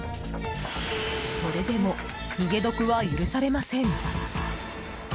それでも逃げ得は許されません。